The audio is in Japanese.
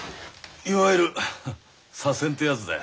いわゆる左遷ってやつだよ。